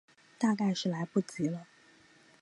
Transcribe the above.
大概是来不及了